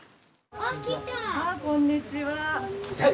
あっこんにちは。